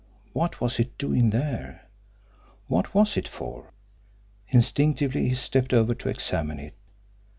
What was it doing there? What was it for? Instinctively he stepped over to examine it.